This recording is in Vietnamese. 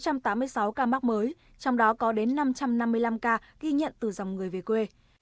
trong đó có năm mươi sáu ca mắc mới trong đó có đến năm trăm năm mươi năm ca ghi nhận từ dòng người về quê